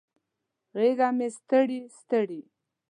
غیږه مې ستړي، ستړي